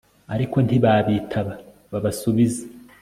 ariko ntibabitaba babasubize